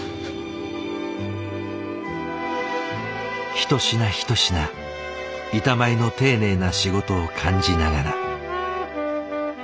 一品一品板前の丁寧な仕事を感じながら。